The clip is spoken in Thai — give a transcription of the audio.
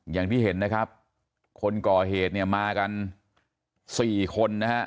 อย่างที่เห็นนะครับคนก่อเหตุเนี่ยมากัน๔คนนะฮะ